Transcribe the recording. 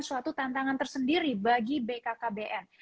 suatu tantangan tersendiri bagi bkkbn